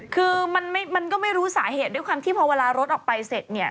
คือมันก็ไม่รู้สาเหตุด้วยความที่พอเวลารถออกไปเสร็จเนี่ย